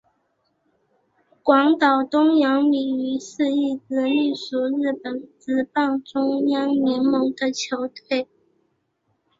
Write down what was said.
广岛东洋鲤鱼是一支隶属日本职棒中央联盟的球队。